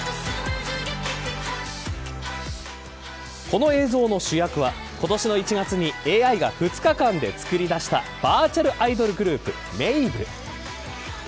この映像の主役は今年の１月にＡＩが２日間で作り出したバーチャルアイドルグループメイブ。